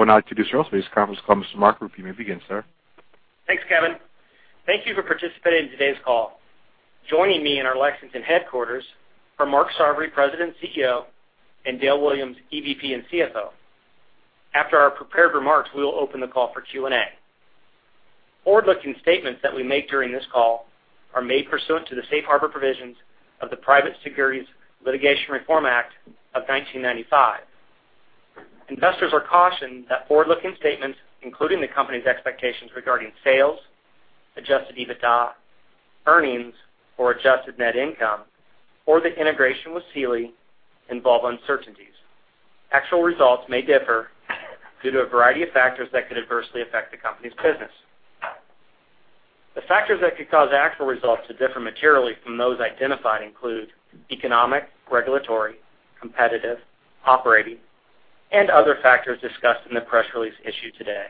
I would now introduce your host for today's conference call. Mr. Mark, you may begin, sir. Thanks, Kevin. Thank you for participating in today's call. Joining me in our Lexington headquarters are Mark Sarvary, President, CEO, and Dale Williams, EVP and CFO. After our prepared remarks, we will open the call for Q&A. Forward-looking statements that we make during this call are made pursuant to the Safe Harbor provisions of the Private Securities Litigation Reform Act of 1995. Investors are cautioned that forward-looking statements, including the company's expectations regarding sales, adjusted EBITDA, earnings, or adjusted net income, or the integration with Sealy, involve uncertainties. Actual results may differ due to a variety of factors that could adversely affect the company's business. The factors that could cause actual results to differ materially from those identified include economic, regulatory, competitive, operating, and other factors discussed in the press release issued today.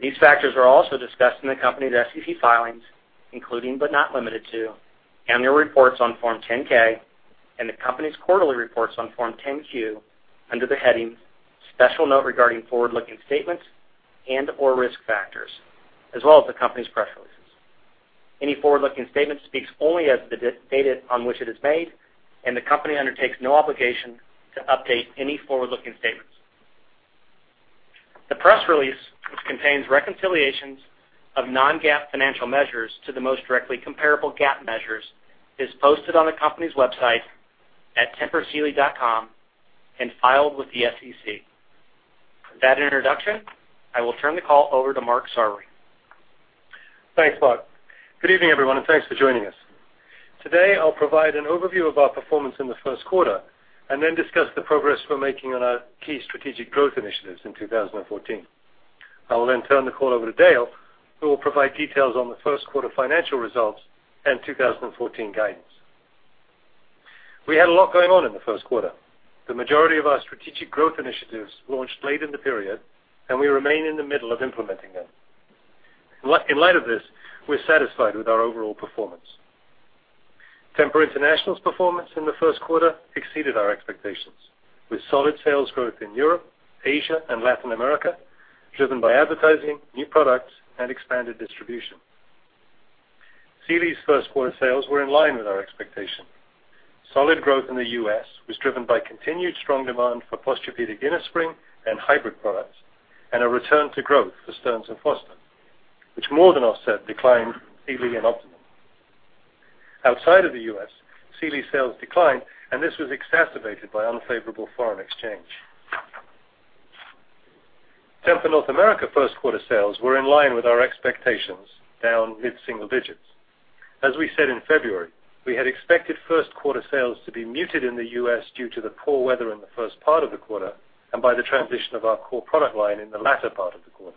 These factors are also discussed in the company's SEC filings, including but not limited to annual reports on Form 10-K and the company's quarterly reports on Form 10-Q under the headings "Special Note Regarding Forward-Looking Statements" and/or "Risk Factors," as well as the company's press releases. Any forward-looking statement speaks only as of the date on which it is made, and the company undertakes no obligation to update any forward-looking statements. The press release, which contains reconciliations of non-GAAP financial measures to the most directly comparable GAAP measures, is posted on the company's website at tempursealy.com and filed with the SEC. With that introduction, I will turn the call over to Mark Sarvary. Thanks, Mark. Good evening, everyone, and thanks for joining us. Today, I'll provide an overview of our performance in the first quarter and then discuss the progress we're making on our key strategic growth initiatives in 2014. I will then turn the call over to Dale, who will provide details on the first quarter financial results and 2014 guidance. We had a lot going on in the first quarter. The majority of our strategic growth initiatives launched late in the period, and we remain in the middle of implementing them. In light of this, we're satisfied with our overall performance. Tempur International's performance in the first quarter exceeded our expectations, with solid sales growth in Europe, Asia, and Latin America, driven by advertising, new products, and expanded distribution. Sealy's first-quarter sales were in line with our expectation. Solid growth in the U.S. was driven by continued strong demand for Posturepedic Innerspring and hybrid products and a return to growth for Stearns & Foster, which more than offset declined Sealy and Optimum. Outside of the U.S., Sealy sales declined, and this was exacerbated by unfavorable foreign exchange. Tempur North America first-quarter sales were in line with our expectations, down mid-single digits. As we said in February, we had expected first-quarter sales to be muted in the U.S. due to the poor weather in the first part of the quarter and by the transition of our core product line in the latter part of the quarter.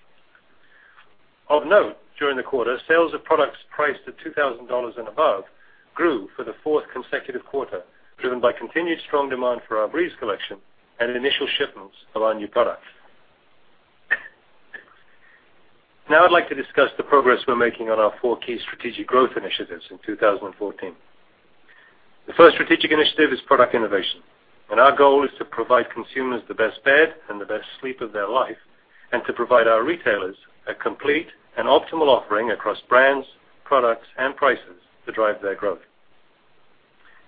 Of note, during the quarter, sales of products priced at $2,000 and above grew for the fourth consecutive quarter, driven by continued strong demand for our Breeze collection and initial shipments of our new products. I'd like to discuss the progress we're making on our four key strategic growth initiatives in 2014. The first strategic initiative is product innovation, and our goal is to provide consumers the best bed and the best sleep of their life and to provide our retailers a complete and optimal offering across brands, products, and prices to drive their growth.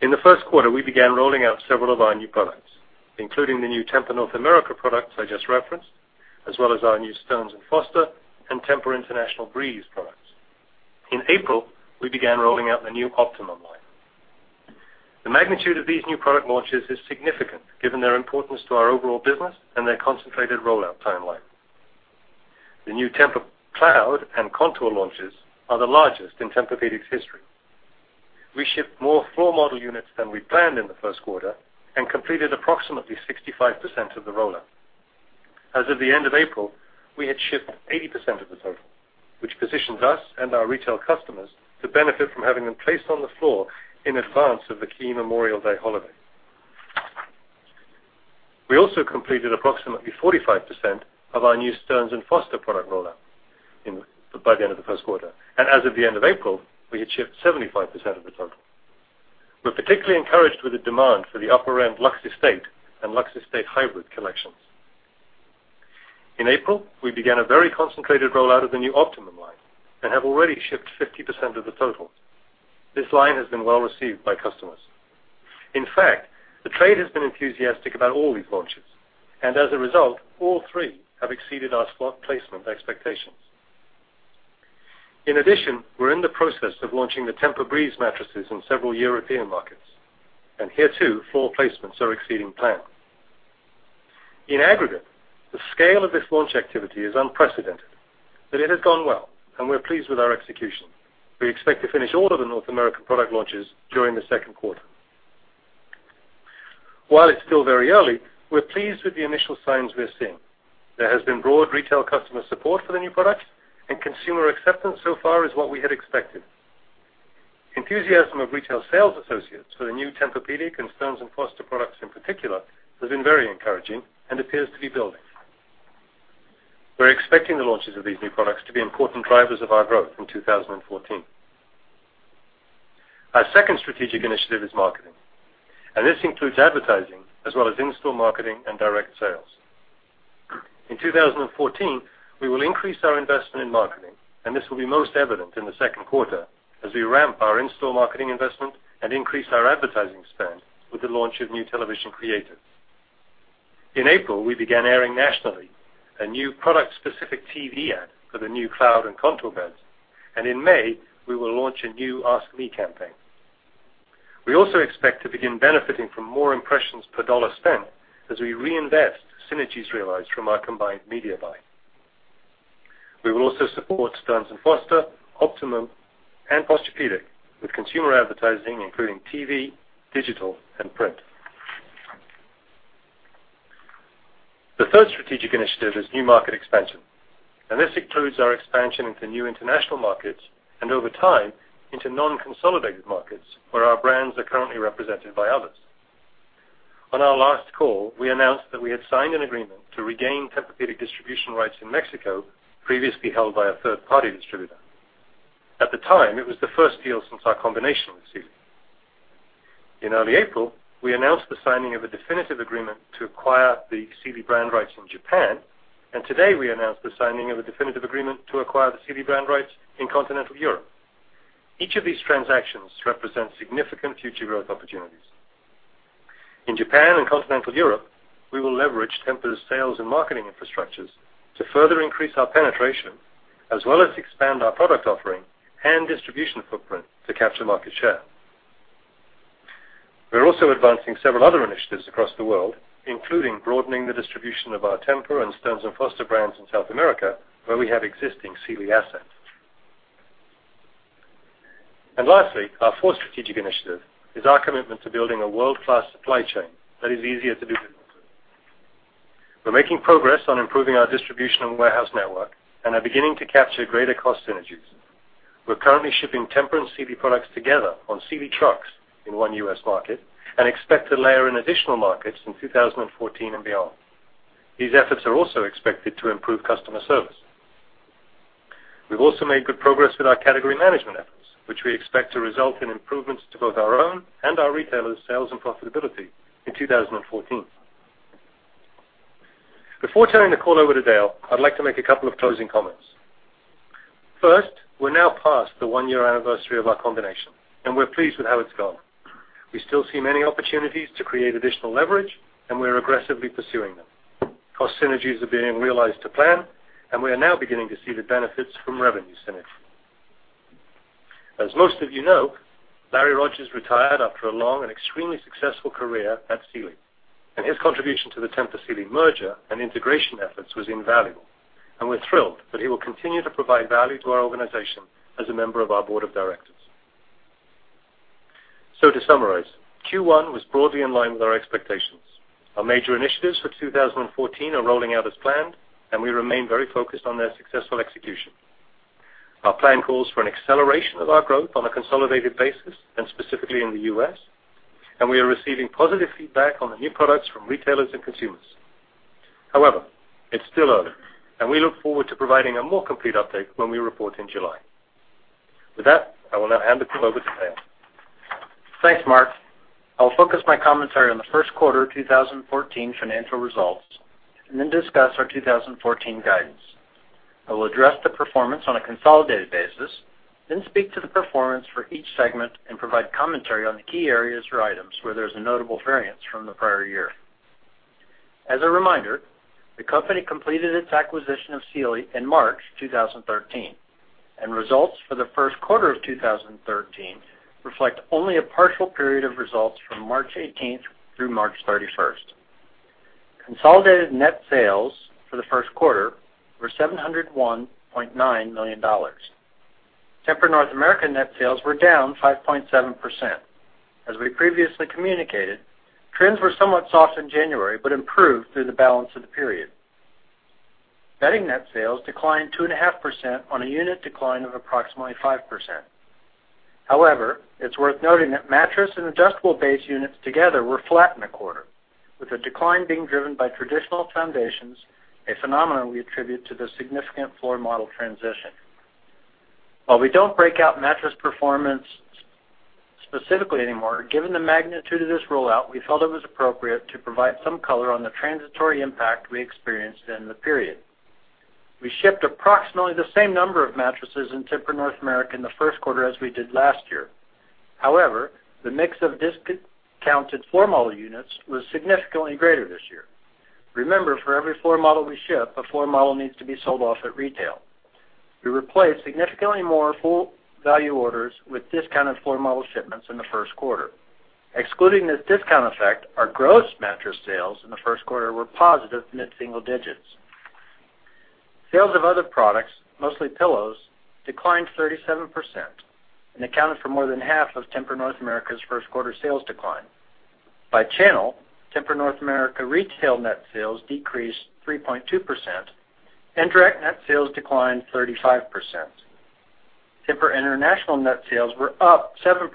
In the first quarter, we began rolling out several of our new products, including the new Tempur North America products I just referenced, as well as our new Stearns & Foster and Tempur International Breeze products. In April, we began rolling out the new Optimum line. The magnitude of these new product launches is significant given their importance to our overall business and their concentrated rollout timeline. The new TEMPUR-Cloud and TEMPUR-Contour launches are the largest in Tempur-Pedic's history. We shipped more floor model units than we planned in the first quarter and completed approximately 65% of the rollout. As of the end of April, we had shipped 80% of the total, which positions us and our retail customers to benefit from having them placed on the floor in advance of the key Memorial Day holiday. We also completed approximately 45% of our new Stearns & Foster product rollout by the end of the first quarter. As of the end of April, we had shipped 75% of the total. We're particularly encouraged with the demand for the upper-end Lux Estate and Lux Estate Hybrid collections. In April, we began a very concentrated rollout of the new Optimum line and have already shipped 50% of the total. This line has been well received by customers. In fact, the trade has been enthusiastic about all these launches. As a result, all three have exceeded our slot placement expectations. In addition, we're in the process of launching the TEMPUR-Breeze mattresses in several European markets, and here, too, floor placements are exceeding plan. In aggregate, the scale of this launch activity is unprecedented, but it has gone well, and we're pleased with our execution. We expect to finish all of the North American product launches during the second quarter. While it's still very early, we're pleased with the initial signs we're seeing. There has been broad retail customer support for the new products, and consumer acceptance so far is what we had expected. Enthusiasm of retail sales associates for the new Tempur-Pedic and Stearns & Foster products in particular has been very encouraging and appears to be building. We're expecting the launches of these new products to be important drivers of our growth in 2014. Our second strategic initiative is marketing. This includes advertising as well as in-store marketing and direct sales. In 2014, we will increase our investment in marketing. This will be most evident in the second quarter as we ramp our in-store marketing investment and increase our advertising spend with the launch of new television creatives. In April, we began airing nationally a new product-specific TV ad for the new Cloud and Contour beds. In May, we will launch a new Ask Me campaign. We also expect to begin benefiting from more impressions per dollar spent as we reinvest synergies realized from our combined media buy. We will also support Stearns & Foster, Optimum, and Posturepedic with consumer advertising, including TV, digital, and print. The third strategic initiative is new market expansion. This includes our expansion into new international markets and, over time, into non-consolidated markets where our brands are currently represented by others. On our last call, we announced that we had signed an agreement to regain Tempur-Pedic distribution rights in Mexico, previously held by a third-party distributor. At the time, it was the first deal since our combination with Sealy. In early April, we announced the signing of a definitive agreement to acquire the Sealy brand rights in Japan. Today we announced the signing of a definitive agreement to acquire the Sealy brand rights in continental Europe. Each of these transactions represents significant future growth opportunities. In Japan and continental Europe, we will leverage Tempur's sales and marketing infrastructures to further increase our penetration as well as expand our product offering and distribution footprint to capture market share. We're also advancing several other initiatives across the world, including broadening the distribution of our Tempur and Stearns & Foster brands in South America, where we have existing Sealy assets. Lastly, our fourth strategic initiative is our commitment to building a world-class supply chain that is easier to do business with. We're making progress on improving our distribution and warehouse network and are beginning to capture greater cost synergies. We're currently shipping Tempur and Sealy products together on Sealy trucks in one U.S. market and expect to layer in additional markets in 2014 and beyond. These efforts are also expected to improve customer service. We've also made good progress with our category management efforts, which we expect to result in improvements to both our own and our retailers' sales and profitability in 2014. Before turning the call over to Dale, I'd like to make a couple of closing comments. First, we're now past the one-year anniversary of our combination. We're pleased with how it's gone. We still see many opportunities to create additional leverage. We're aggressively pursuing them. Cost synergies are being realized to plan. We are now beginning to see the benefits from revenue synergy. As most of you know, Larry Rogers retired after a long and extremely successful career at Sealy. His contribution to the Tempur Sealy merger and integration efforts was invaluable. We're thrilled that he will continue to provide value to our organization as a member of our board of directors. To summarize, Q1 was broadly in line with our expectations. Our major initiatives for 2014 are rolling out as planned. We remain very focused on their successful execution. Our plan calls for an acceleration of our growth on a consolidated basis, specifically in the U.S. We are receiving positive feedback on the new products from retailers and consumers. It's still early, and we look forward to providing a more complete update when we report in July. With that, I will now hand the call over to Dale. Thanks, Mark. I will focus my commentary on the first quarter 2014 financial results, discuss our 2014 guidance. I will address the performance on a consolidated basis, speak to the performance for each segment and provide commentary on the key areas or items where there's a notable variance from the prior year. As a reminder, the company completed its acquisition of Sealy in March 2013, and results for the first quarter of 2013 reflect only a partial period of results from March 18th through March 31st. Consolidated net sales for the first quarter were $701.9 million. Tempur North America net sales were down 5.7%. As we previously communicated, trends were somewhat soft in January but improved through the balance of the period. Bedding net sales declined 2.5% on a unit decline of approximately 5%. It's worth noting that mattress and adjustable base units together were flat in the quarter, with the decline being driven by traditional foundations, a phenomenon we attribute to the significant floor model transition. While we don't break out mattress performance specifically anymore, given the magnitude of this rollout, we felt it was appropriate to provide some color on the transitory impact we experienced in the period. We shipped approximately the same number of mattresses in Tempur North America in the first quarter as we did last year. The mix of discounted floor model units was significantly greater this year. Remember, for every floor model we ship, a floor model needs to be sold off at retail. We replaced significantly more full-value orders with discounted floor model shipments in the first quarter. Excluding this discount effect, our gross mattress sales in the first quarter were positive mid-single digits. Sales of other products, mostly pillows, declined 37% and accounted for more than half of Tempur North America's first quarter sales decline. By channel, Tempur North America retail net sales decreased 3.2%, and direct net sales declined 35%. Tempur International net sales were up 7%.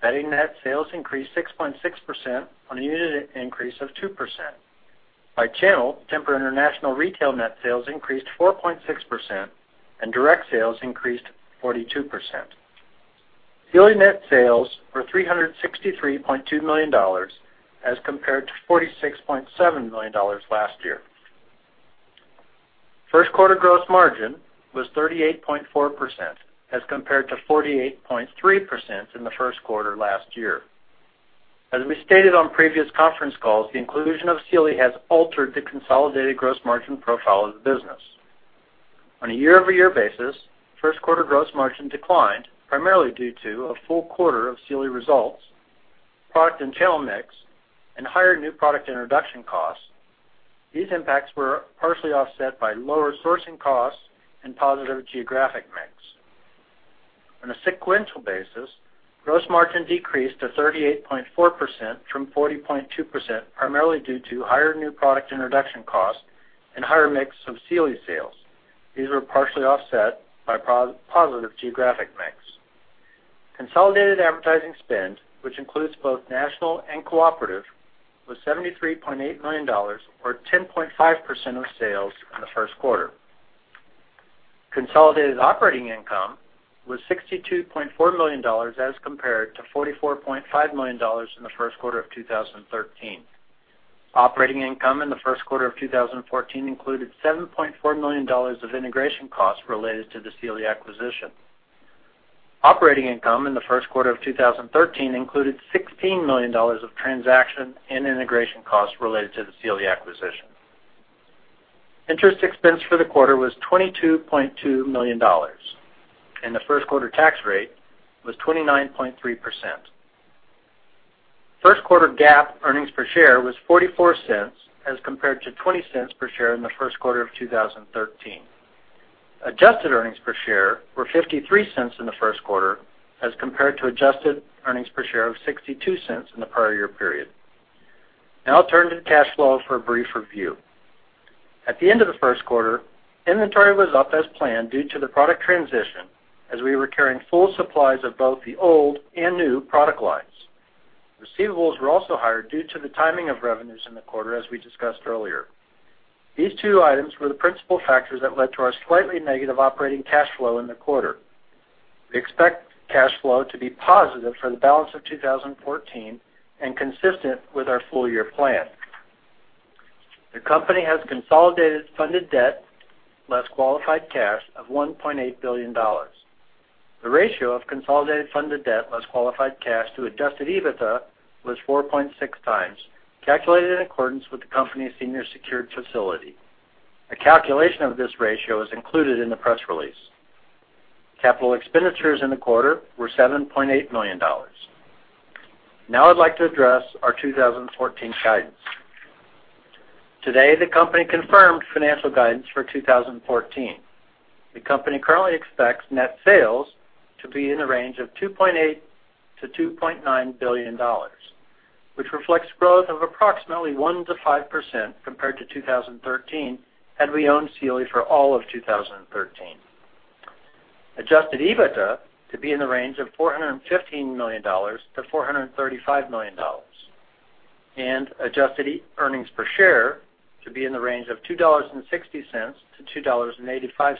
Bedding net sales increased 6.6% on a unit increase of 2%. By channel, Tempur International retail net sales increased 4.6%, and direct sales increased 42%. Sealy net sales were $363.2 million as compared to $46.7 million last year. First quarter gross margin was 38.4% as compared to 48.3% in the first quarter last year. As we stated on previous conference calls, the inclusion of Sealy has altered the consolidated gross margin profile of the business. On a year-over-year basis, first quarter gross margin declined primarily due to a full quarter of Sealy results, product and channel mix, and higher new product introduction costs. These impacts were partially offset by lower sourcing costs and positive geographic mix. On a sequential basis, gross margin decreased to 38.4% from 40.2%, primarily due to higher new product introduction costs and higher mix of Sealy sales. These were partially offset by positive geographic mix. Consolidated advertising spend, which includes both national and cooperative, was $73.8 million, or 10.5% of sales in the first quarter. Consolidated operating income was $62.4 million as compared to $44.5 million in the first quarter of 2013. Operating income in the first quarter of 2014 included $7.4 million of integration costs related to the Sealy acquisition. Operating income in the first quarter of 2013 included $16 million of transaction and integration costs related to the Sealy acquisition. Interest expense for the quarter was $22.2 million, and the first quarter tax rate was 29.3%. First quarter GAAP earnings per share was $0.44 as compared to $0.20 per share in the first quarter of 2013. Adjusted earnings per share were $0.53 in the first quarter as compared to adjusted earnings per share of $0.62 in the prior year period. I'll turn to the cash flow for a brief review. At the end of the first quarter, inventory was up as planned due to the product transition, as we were carrying full supplies of both the old and new product lines. Receivables were also higher due to the timing of revenues in the quarter, as we discussed earlier. These two items were the principal factors that led to our slightly negative operating cash flow in the quarter. We expect cash flow to be positive for the balance of 2014 and consistent with our full-year plan. The company has consolidated funded debt, less qualified cash of $1.8 billion. The ratio of consolidated funded debt, less qualified cash to adjusted EBITDA was 4.6 times, calculated in accordance with the company's senior secured facility. A calculation of this ratio is included in the press release. Capital expenditures in the quarter were $7.8 million. I'd like to address our 2014 guidance. Today, the company confirmed financial guidance for 2014. The company currently expects net sales to be in the range of $2.8 billion-$2.9 billion, which reflects growth of approximately 1%-5% compared to 2013, had we owned Sealy for all of 2013. Adjusted EBITDA to be in the range of $415 million-$435 million, and adjusted earnings per share to be in the range of $2.60-$2.85.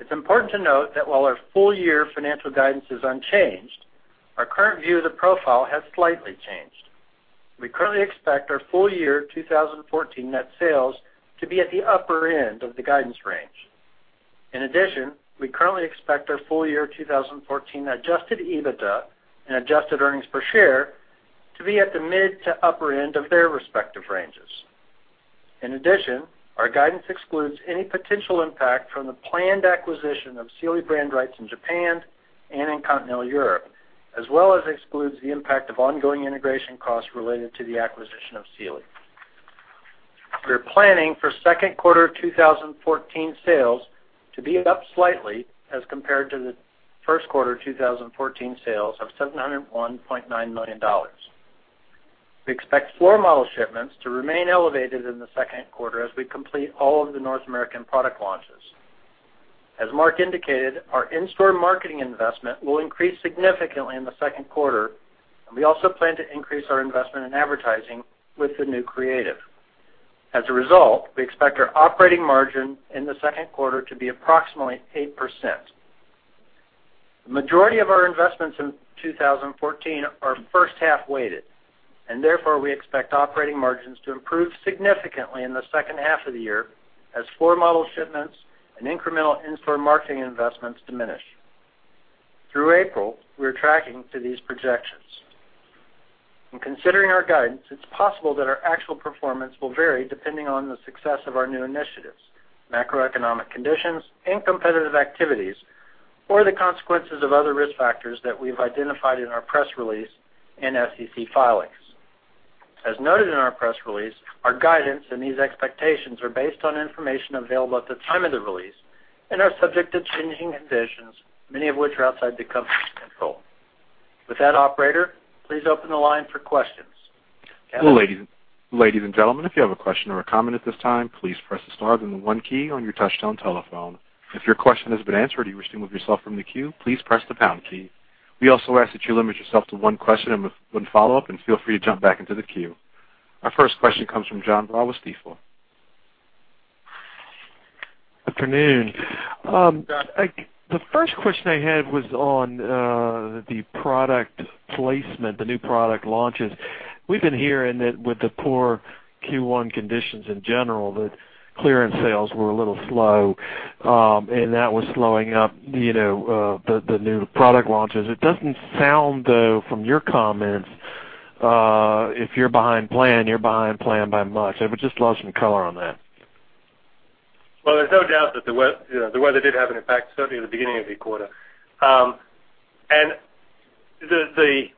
It's important to note that while our full-year financial guidance is unchanged, our current view of the profile has slightly changed. We currently expect our full-year 2014 net sales to be at the upper end of the guidance range. In addition, we currently expect our full-year 2014 adjusted EBITDA and adjusted earnings per share to be at the mid to upper end of their respective ranges. In addition, our guidance excludes any potential impact from the planned acquisition of Sealy brand rights in Japan and in Continental Europe, as well as excludes the impact of ongoing integration costs related to the acquisition of Sealy. We're planning for second quarter 2014 sales to be up slightly as compared to the first quarter 2014 sales of $701.9 million. We expect floor model shipments to remain elevated in the second quarter as we complete all of the North American product launches. As Mark indicated, our in-store marketing investment will increase significantly in the second quarter, and we also plan to increase our investment in advertising with the new creative. As a result, we expect our operating margin in the second quarter to be approximately 8%. The majority of our investments in 2014 are first-half weighted, therefore, we expect operating margins to improve significantly in the second half of the year as floor model shipments and incremental in-store marketing investments diminish. Through April, we are tracking to these projections. In considering our guidance, it's possible that our actual performance will vary depending on the success of our new initiatives, macroeconomic conditions and competitive activities, or the consequences of other risk factors that we've identified in our press release and SEC filings. As noted in our press release, our guidance and these expectations are based on information available at the time of the release and are subject to changing conditions, many of which are outside the company's control. With that, operator, please open the line for questions. Ladies and gentlemen, if you have a question or a comment at this time, please press the star and the one key on your touchtone telephone. If your question has been answered or you wish to remove yourself from the queue, please press the pound key. We also ask that you limit yourself to one question and one follow-up, and feel free to jump back into the queue. Our first question comes from John Vlaholis, Stifel. Good afternoon. John. The first question I had was on the product placement, the new product launches. We've been hearing that with the poor Q1 conditions in general, that clearance sales were a little slow, and that was slowing up the new product launches. It doesn't sound, though, from your comments, if you're behind plan, you're behind plan by much. I would just love some color on that. There's no doubt that the weather did have an impact, certainly at the beginning of the quarter. The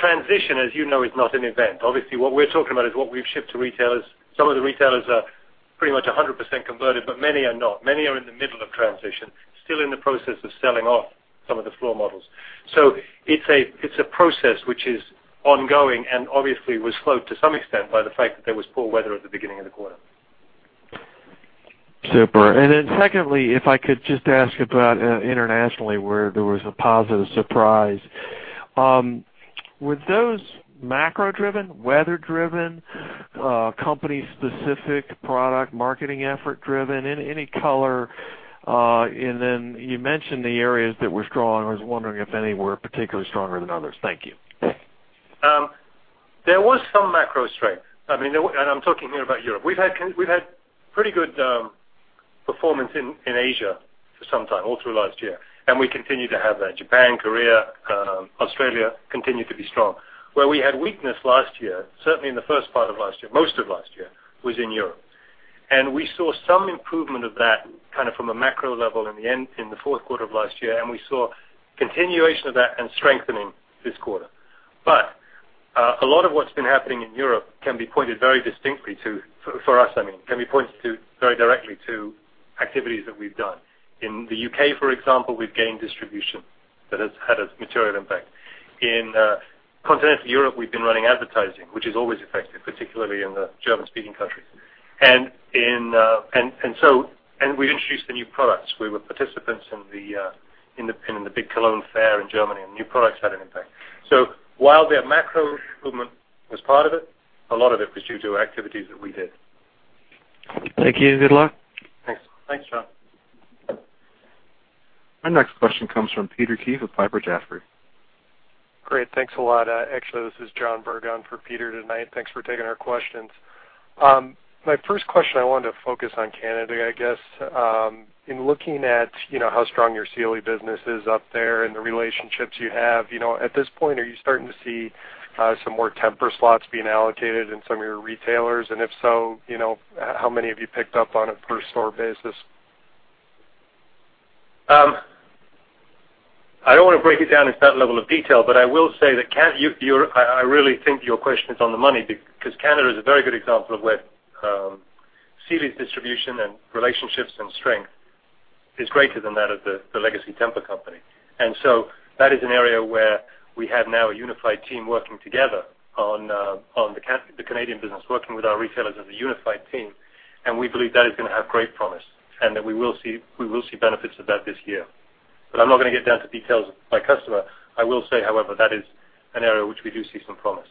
transition, as you know, is not an event. Obviously, what we're talking about is what we've shipped to retailers. Some of the retailers are pretty much 100% converted, but many are not. Many are in the middle of transition, still in the process of selling off some of the floor models. It's a process which is ongoing and obviously was slowed to some extent by the fact that there was poor weather at the beginning of the quarter. Super. Secondly, if I could just ask about internationally, where there was a positive surprise. Were those macro-driven, weather-driven, company-specific product marketing effort-driven? Any color, you mentioned the areas that were strong. I was wondering if any were particularly stronger than others. Thank you. There was some macro strength. I'm talking here about Europe. We've had pretty good performance in Asia for some time, all through last year, we continue to have that. Japan, Korea, Australia continue to be strong. Where we had weakness last year, certainly in the first part of last year, most of last year, was in Europe. We saw some improvement of that kind of from a macro level in the fourth quarter of last year, we saw continuation of that and strengthening this quarter. A lot of what's been happening in Europe can be pointed very distinctly to, for us, I mean, can be pointed very directly to activities that we've done. In the U.K., for example, we've gained distribution that has had a material impact. In continental Europe, we've been running advertising, which is always effective, particularly in the German-speaking countries. We introduced the new products. We were participants in the big Cologne Fair in Germany. New products had an impact. While the macro movement was part of it, a lot of it was due to activities that we did. Thank you. Good luck. Thanks. Thanks, John. Our next question comes from Peter Keith with Piper Jaffray. Great. Thanks a lot. Actually, this is John Bergen for Peter tonight. Thanks for taking our questions. My first question, I wanted to focus on Canada, I guess. In looking at how strong your Sealy business is up there and the relationships you have, at this point, are you starting to see some more Tempur slots being allocated in some of your retailers? If so, how many have you picked up on a per store basis? I don't want to break it down at that level of detail. I will say that I really think your question is on the money because Canada is a very good example of where Sealy's distribution and relationships and strength is greater than that of the legacy Tempur company. That is an area where we have now a unified team working together on the Canadian business, working with our retailers as a unified team. We believe that is going to have great promise and that we will see benefits of that this year. I'm not going to get down to details by customer. I will say, however, that is an area which we do see some promise.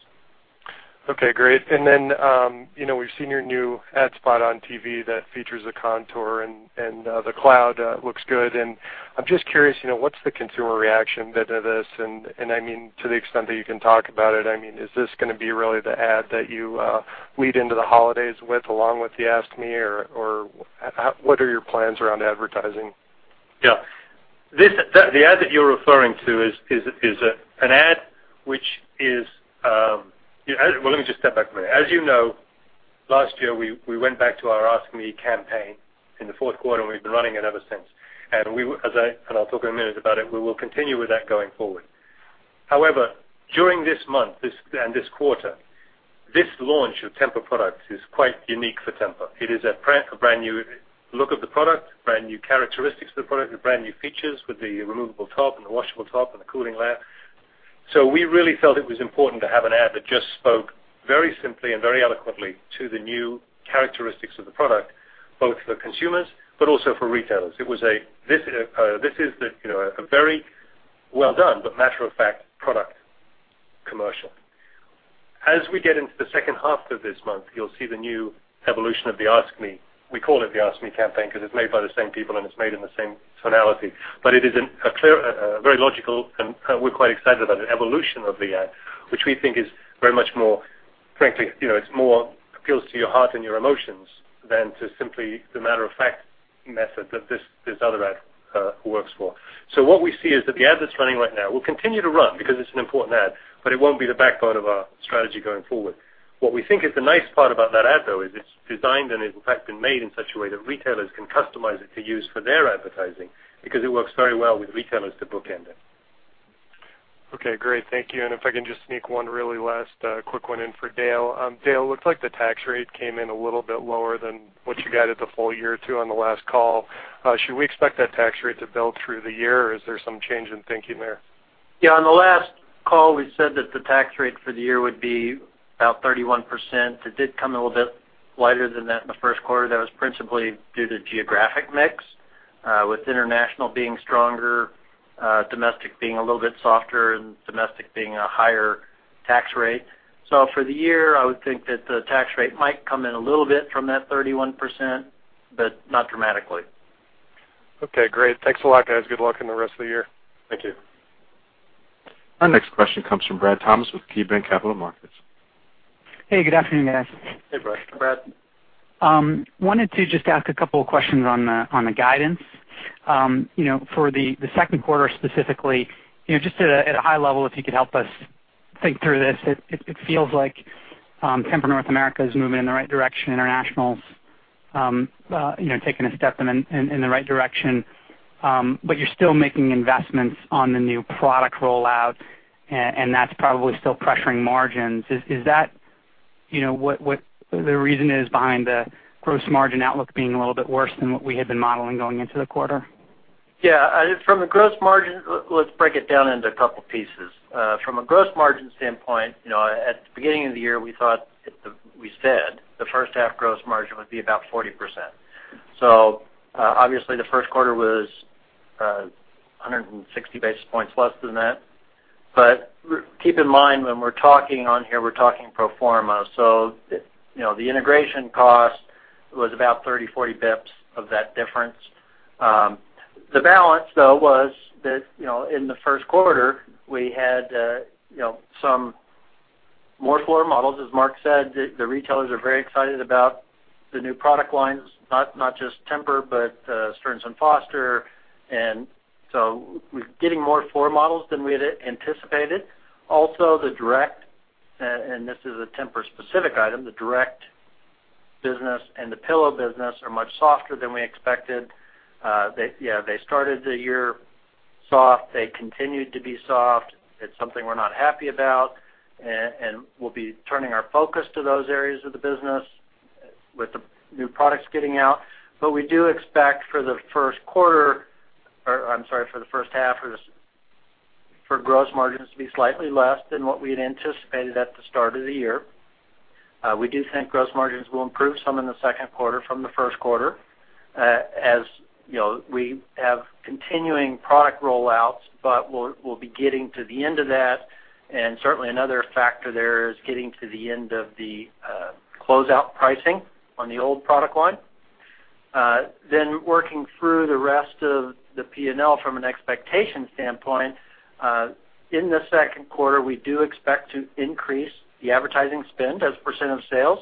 Okay, great. We've seen your new ad spot on TV that features a TEMPUR-Contour, and the TEMPUR-Cloud looks good. I'm just curious, what's the consumer reaction been to this? I mean, to the extent that you can talk about it, is this going to be really the ad that you lead into the holidays with, along with the Ask Me, or what are your plans around advertising? Yeah. The ad that you're referring to is an ad. Well, let me just step back a minute. As you know, last year, we went back to our Ask Me campaign in the fourth quarter. We've been running it ever since. I'll talk in a minute about it. We will continue with that going forward. However, during this month and this quarter, this launch of Tempur products is quite unique for Tempur. It is a brand new look of the product, brand new characteristics of the product, brand new features with the removable top and the washable top and the cooling layer. We really felt it was important to have an ad that just spoke very simply and very eloquently to the new characteristics of the product, both for consumers but also for retailers. This is a very well done, matter of fact product commercial. As we get into the second half of this month, you'll see the new evolution of the Ask Me. We call it the Ask Me campaign because it's made by the same people and it's made in the same tonality. It is a very logical, and we're quite excited about it, evolution of the ad, which we think is very much more, frankly, it more appeals to your heart and your emotions than to simply the matter of fact method that this other ad works for. What we see is that the ad that's running right now will continue to run because it's an important ad, but it won't be the backbone of our strategy going forward. What we think is the nice part about that ad, though, is it's designed and in fact been made in such a way that retailers can customize it to use for their advertising because it works very well with retailers to bookend it. Okay, great. Thank you. If I can just sneak one really last quick one in for Dale. Dale, looks like the tax rate came in a little bit lower than what you got at the full year two on the last call. Should we expect that tax rate to build through the year, or is there some change in thinking there? On the last call, we said that the tax rate for the year would be about 31%. It did come a little bit lighter than that in the first quarter. That was principally due to geographic mix, with international being stronger, domestic being a little bit softer, and domestic being a higher tax rate. For the year, I would think that the tax rate might come in a little bit from that 31%, but not dramatically. Okay, great. Thanks a lot, guys. Good luck in the rest of the year. Thank you. Our next question comes from Bradley Thomas with KeyBanc Capital Markets. Hey, good afternoon, guys. Hi, Brad. Brad. I wanted to just ask a couple of questions on the guidance. For the second quarter specifically, just at a high level, if you could help us think through this. It feels like Tempur North America is moving in the right direction. International's taking a step in the right direction. You're still making investments on the new product rollout, and that's probably still pressuring margins. Is that what the reason is behind the gross margin outlook being a little bit worse than what we had been modeling going into the quarter? Yeah. Let's break it down into a couple pieces. From a gross margin standpoint, at the beginning of the year, we said the first half gross margin would be about 40%. Obviously, the first quarter was 160 basis points less than that. Keep in mind, when we're talking on here, we're talking pro forma. The integration cost was about 30, 40 basis points of that difference. The balance, though, was that in the first quarter, we had some more floor models, as Mark said. The retailers are very excited about the new product lines, not just Tempur, but Stearns & Foster. We're getting more floor models than we had anticipated. Also, the direct, and this is a Tempur-specific item, the direct business and the pillow business are much softer than we expected. They started the year soft. They continued to be soft. It's something we're not happy about, we'll be turning our focus to those areas of the business with the new products getting out. We do expect for the first half for gross margins to be slightly less than what we had anticipated at the start of the year. We do think gross margins will improve some in the second quarter from the first quarter, as we have continuing product rollouts, we'll be getting to the end of that, certainly another factor there is getting to the end of the closeout pricing on the old product line. Working through the rest of the P&L from an expectation standpoint, in the second quarter, we do expect to increase the advertising spend as a percent of sales.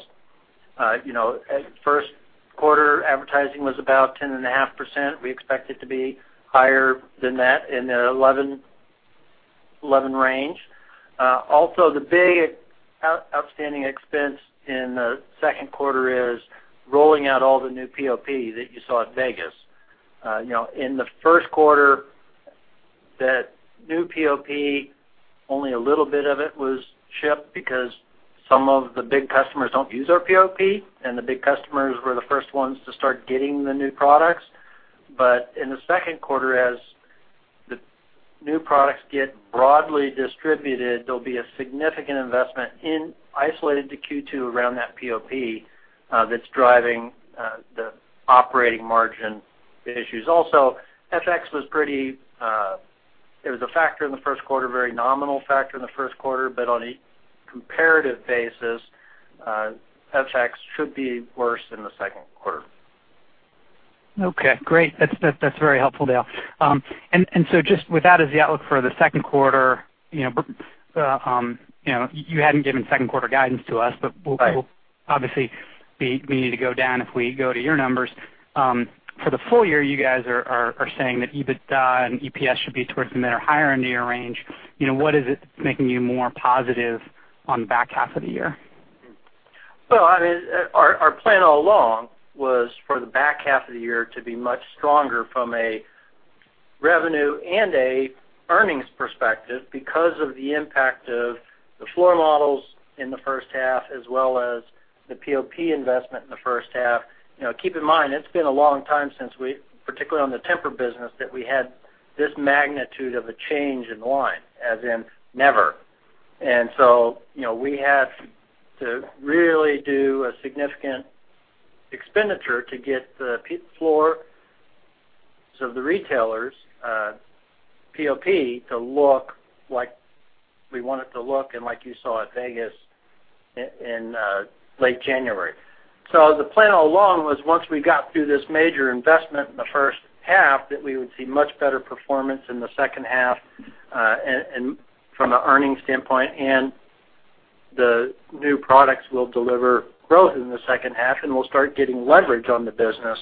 First quarter advertising was about 10.5%. We expect it to be higher than that in the 11 range. The big outstanding expense in the second quarter is rolling out all the new POP that you saw at Vegas. In the first quarter, that new POP, only a little bit of it was shipped because some of the big customers don't use our POP, and the big customers were the first ones to start getting the new products. In the second quarter, as the new products get broadly distributed, there'll be a significant investment isolated to Q2 around that POP that's driving the operating margin issues. FX was a factor in the first quarter, very nominal factor in the first quarter, but on a comparative basis, FX should be worse in the second quarter. Okay, great. That's very helpful, Dale. Just with that as the outlook for the second quarter, you hadn't given second quarter guidance to us. Right Obviously, we need to go down if we go to your numbers. For the full year, you guys are saying that EBITDA and EPS should be towards the middle or higher end of your range. What is it that's making you more positive on the back half of the year? Well, our plan all along was for the back half of the year to be much stronger from a revenue and a earnings perspective because of the impact of the floor models in the first half, as well as the POP investment in the first half. Keep in mind, it's been a long time since we, particularly on the Tempur business, that we had this magnitude of a change in line, as in never. We had to really do a significant expenditure to get the floor of the retailer's POP to look like we want it to look and like you saw at Vegas in late January. The plan all along was once we got through this major investment in the first half, that we would see much better performance in the second half from an earnings standpoint, the new products will deliver growth in the second half, and we'll start getting leverage on the business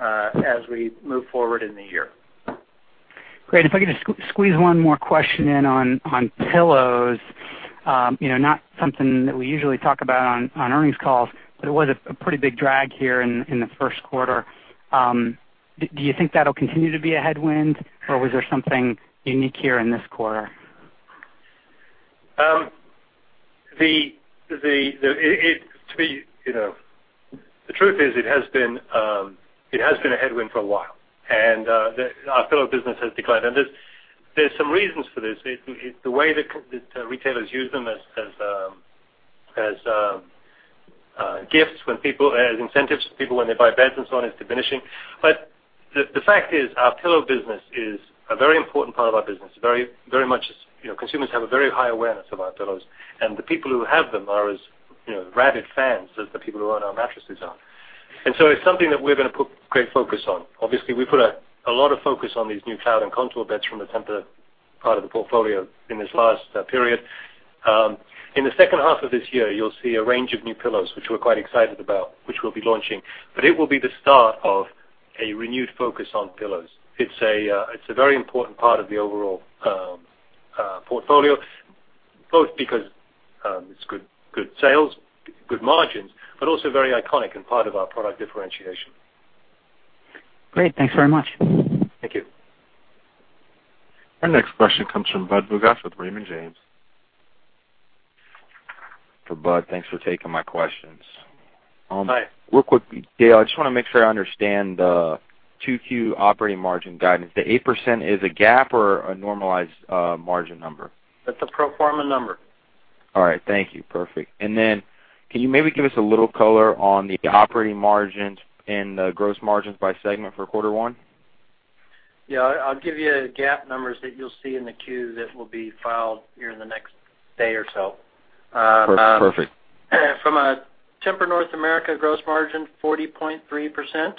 as we move forward in the year. Great. If I could just squeeze one more question in on pillows. Not something that we usually talk about on earnings calls, but it was a pretty big drag here in the first quarter. Do you think that'll continue to be a headwind, or was there something unique here in this quarter? The truth is, it has been a headwind for a while, and our pillow business has declined. There's some reasons for this. The way that retailers use them as gifts, as incentives for people when they buy beds and so on, is diminishing. The fact is, our pillow business is a very important part of our business. Consumers have a very high awareness of our pillows, and the people who have them are as rabid fans as the people who own our mattresses are. It's something that we're going to put great focus on. Obviously, we put a lot of focus on these new TEMPUR-Cloud and TEMPUR-Contour beds from the Tempur-Pedic part of the portfolio in this last period. In the second half of this year, you'll see a range of new pillows, which we're quite excited about, which we'll be launching. It will be the start of a renewed focus on pillows. It's a very important part of the overall portfolio, both because it's good sales, good margins, but also very iconic and part of our product differentiation. Great. Thanks very much. Thank you. Our next question comes from Budd Bugatch with Raymond James. For Budd, thanks for taking my questions. Hi. Real quickly, Dale, I just want to make sure I understand the 2Q operating margin guidance. The 8% is a GAAP or a normalized margin number? That's a pro forma number. All right, thank you. Perfect. Then can you maybe give us a little color on the operating margins and the gross margins by segment for quarter one? Yeah, I'll give you GAAP numbers that you'll see in the Q that will be filed here in the next day or so. Perfect. From a Tempur North America gross margin, 40.3%.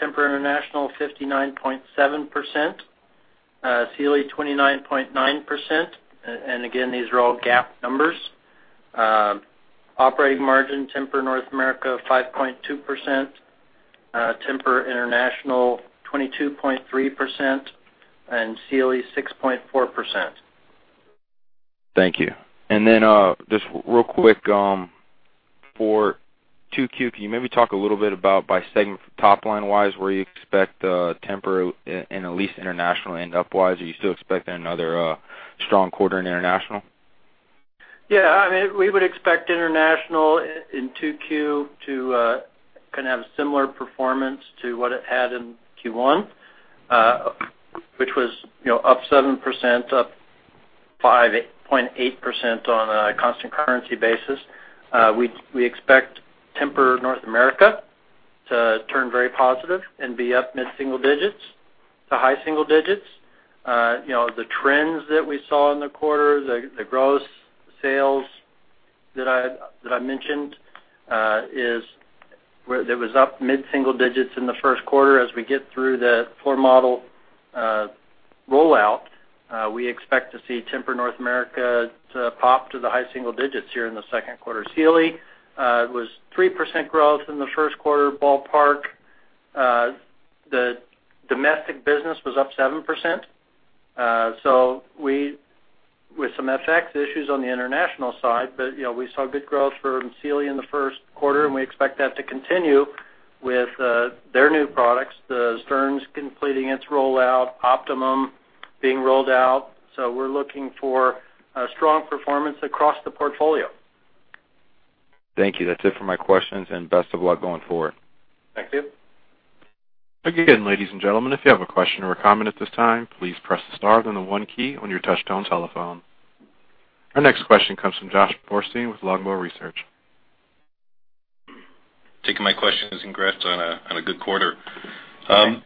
Tempur International, 59.7%. Sealy, 29.9%. Again, these are all GAAP numbers. Operating margin, Tempur North America, 5.2%. Tempur International, 22.3%, and Sealy, 6.4%. Thank you. Just real quick, for 2Q, can you maybe talk a little bit about by segment top-line wise, where you expect Tempur and at least International to end up wise? Are you still expecting another strong quarter in International? Yeah, we would expect International in 2Q to have a similar performance to what it had in Q1, which was up 7%, up 5.8% on a constant currency basis. We expect Tempur North America to turn very positive and be up mid-single digits to high single digits. The trends that we saw in the quarter, the gross sales that I mentioned, it was up mid-single digits in the first quarter. As we get through the floor model rollout, we expect to see Tempur North America to pop to the high single digits here in the second quarter. Sealy was 3% growth in the first quarter, ballpark. The domestic business was up 7%. With some FX issues on the international side, but we saw good growth from Sealy in the first quarter, and we expect that to continue with their new products. The Stearns & Foster completing its rollout, Optimum being rolled out. We're looking for a strong performance across the portfolio. Thank you. That's it for my questions, and best of luck going forward. Thank you. Again, ladies and gentlemen, if you have a question or a comment at this time, please press the star then the one key on your touch-tone telephone. Our next question comes from Joshua Borstein with Longbow Research. Taking my questions and congrats on a good quarter. On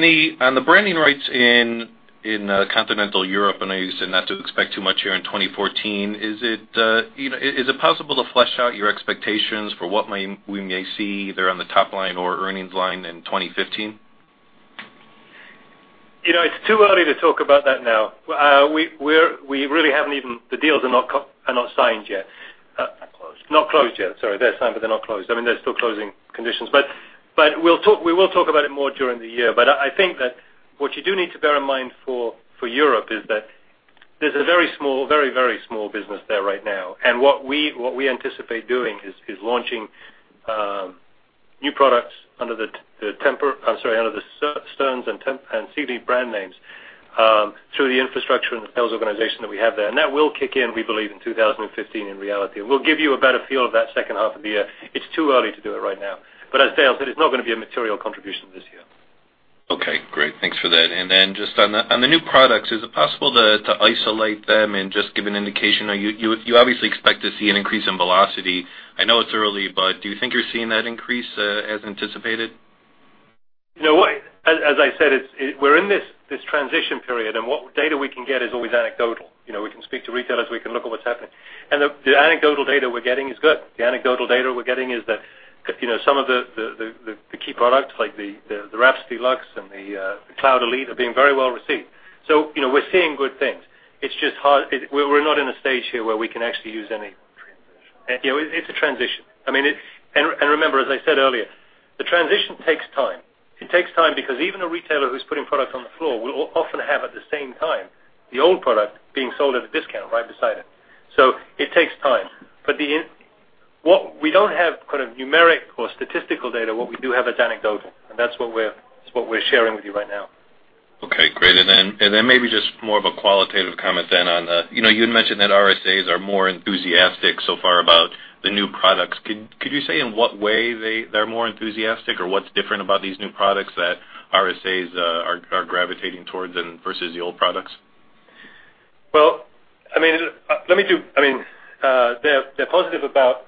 the branding rights in Continental Europe, I know you said not to expect too much here in 2014. Is it possible to flesh out your expectations for what we may see there on the top line or earnings line in 2015? It's too early to talk about that now. The deals are not signed yet. Not closed. Not closed yet. Sorry. They're signed, but they're not closed. I mean, there's still closing conditions. We will talk about it more during the year. I think that what you do need to bear in mind for Europe is that there's a very small business there right now. What we anticipate doing is launching new products under the Stearns & Foster and Sealy brand names through the infrastructure and the sales organization that we have there. That will kick in, we believe, in 2015 in reality. We'll give you a better feel of that second half of the year. It's too early to do it right now. As Dale said, it's not going to be a material contribution this year. Okay, great. Thanks for that. Just on the new products, is it possible to isolate them and just give an indication? You obviously expect to see an increase in velocity. I know it's early, do you think you're seeing that increase as anticipated? As I said, we're in this transition period, and what data we can get is always anecdotal. We can speak to retailers, we can look at what's happening. The anecdotal data we're getting is good. The anecdotal data we're getting is that some of the key products like the Rhapsody Luxe and the Cloud Elite are being very well received. We're seeing good things. We're not in a stage here where we can actually use any- Transition. It's a transition. Remember, as I said earlier, the transition takes time. It takes time because even a retailer who's putting product on the floor will often have, at the same time, the old product being sold at a discount right beside it. It takes time. We don't have numeric or statistical data. What we do have is anecdotal, and that's what we're sharing with you right now. Okay, great. Maybe just more of a qualitative comment then on, you had mentioned that RSAs are more enthusiastic so far about the new products. Could you say in what way they're more enthusiastic, or what's different about these new products that RSAs are gravitating towards versus the old products? Well, they're positive about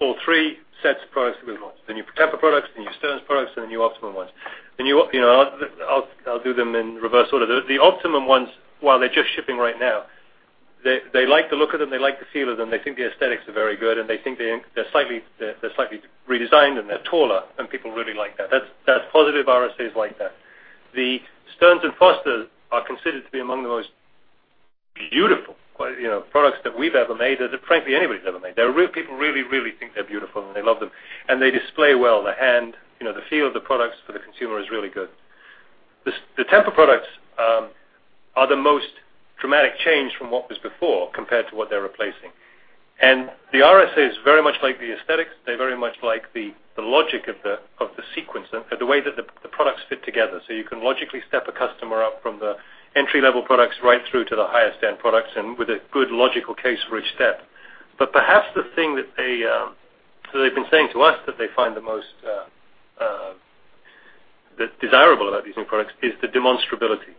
all three sets of products that we launched, the new Tempur products, the new Stearns products, and the new Optimum ones. I'll do them in reverse order. The Optimum ones, while they're just shipping right now, they like the look of them, they like the feel of them. They think the aesthetics are very good, and they think they're slightly redesigned, and they're taller, and people really like that. That's positive. RSAs like that. The Stearns & Foster are considered to be among the most beautiful products that we've ever made or that frankly anybody's ever made. People really think they're beautiful, and they love them. They display well. The hand, the feel of the products for the consumer is really good. The Tempur products are the most dramatic change from what was before compared to what they're replacing. The RSAs very much like the aesthetics. They very much like the logic of the sequence and the way that the products fit together. You can logically step a customer up from the entry-level products right through to the highest-end products and with a good logical case for each step. Perhaps the thing that they've been saying to us that they find the most desirable about these new products is the demonstrability.